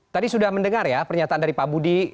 tadi sudah mendengar ya pernyataan dari pak budi